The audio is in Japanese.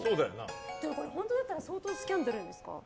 でも本当だったら相当スキャンダルですよ。